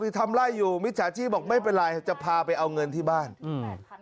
ทำไล่อยู่มิจฉาชีพบอกไม่เป็นไรจะพาไปเอาเงินที่บ้านอืม